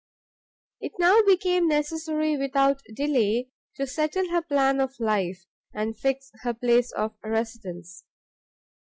It now became necessary without further delay to settle her plan of life, and fix her place of residence.